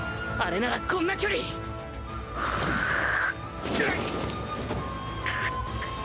あれならこんな距離ぐっ！？